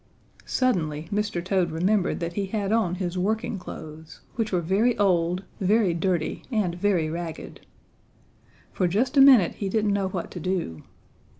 "Suddenly Mr. Toad remembered that he had on his working clothes, which were very old, very dirty and very ragged. For just a minute he didn't know what to do.